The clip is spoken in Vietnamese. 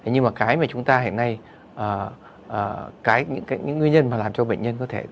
nhưng mà cái mà chúng ta hiện nay những nguyên nhân làm cho bệnh nhân